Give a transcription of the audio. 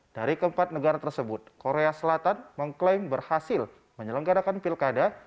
dari keempat negara tersebut korea selatan mengklaim berhasil menyelenggarakan pilkada